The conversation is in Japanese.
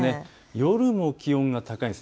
夜の気温が高いんです。